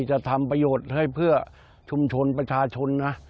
จะทำประโยชน์ให้เพื่อชุมชนประชาชนนะ